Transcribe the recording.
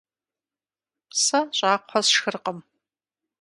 Сэ щӀакхъуэ сшхыркъым.